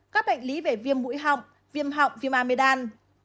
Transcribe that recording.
các bệnh lý về viêm mũi họng viêm họng viêm amidam